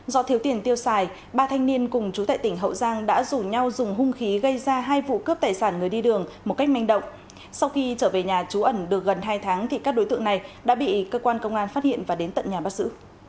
do thiếu tiền tiêu xài ba thanh niên cùng chú tại tỉnh hậu giang đã rủ nhau dùng hung khí gây ra hai vụ cướp tài sản người đi đường một cách manh động sau khi trở về nhà trú ẩn được gần hai tháng thì các đối tượng này đã bị cơ quan công an phát hiện và đến tận nhà bắt giữ